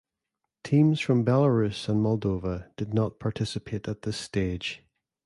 Teams from Belarus and Moldova did not participate at this stage.